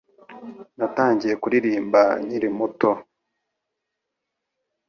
Natangiye kuririmba nkiri muto.